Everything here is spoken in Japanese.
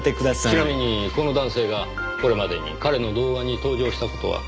ちなみにこの男性がこれまでに彼の動画に登場した事は？